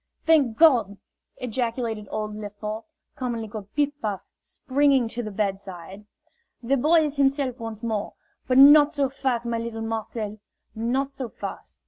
"Thank God!" ejaculated old Lefort, commonly called "Piff Paff," springing to the bedside. "The boy is himself once more. But not so fast, my little Marcel, not so fast!"